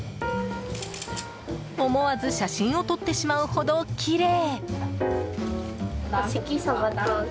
思わず写真を撮ってしまうほどきれい！